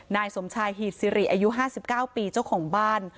นายสมชายฮีดซิริอายุห้าสิบเก้าปีเจ้าของบ้าน